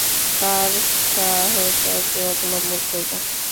কার সাহচর্য অবলম্বন করব?